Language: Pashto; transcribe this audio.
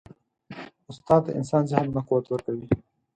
استاد د انسان ذهن ته قوت ورکوي.